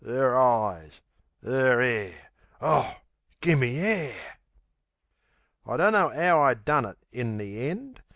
'Er eyes! 'Er hair!... Oh, gimme air! I dunno 'ow I done it in the end.